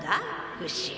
フシ。